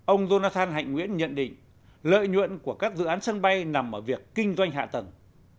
ông jonathan hạnh nguyễn nhận định lợi nhuận của các dự án sân bay nằm ở việc kinh doanh hạ tầng